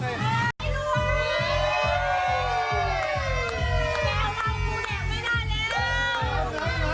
เนียวเราคู่แดงไม่ได้แล้วน้ำน้ำน้ำ